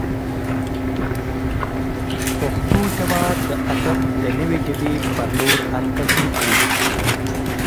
پښتو ژبه د ادب د نوې ژبې پر لور حرکت وکړي.